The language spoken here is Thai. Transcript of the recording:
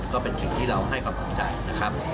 ก็เป็นสิ่งที่เราให้ความฝังใจ